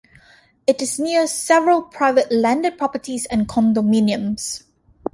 It is near several private landed properties and condominiums.